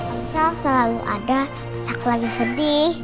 om sal selalu ada pas aku lagi sedih